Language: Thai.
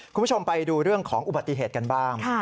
คุณผู้ชมไปดูเรื่องของอุบัติเหตุกันบ้าง